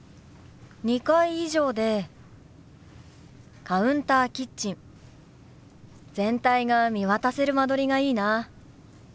２階以上でカウンターキッチン全体が見渡せる間取りがいいな。